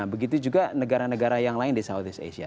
begitu juga negara negara yang lain di southeast asia